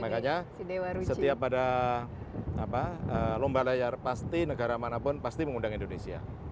makanya setiap pada lomba layar pasti negara manapun pasti mengundang indonesia